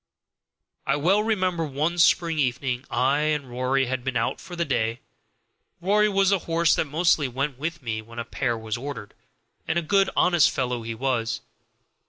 I well remember one spring evening I and Rory had been out for the day. (Rory was the horse that mostly went with me when a pair was ordered, and a good honest fellow he was.)